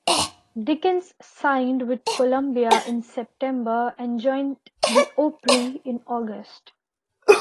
Dickens signed with Columbia in September and joined the Opry in August.